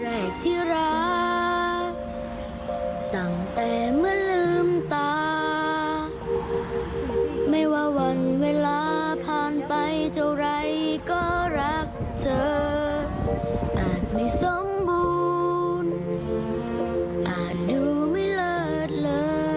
อาจไม่สมบูรณ์อาจรู้ไม่เลิศเลอ